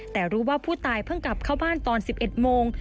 แต่รู้ว่าผู้ตายเพิ่งกลับเข้าบ้านตอน๑๑โมง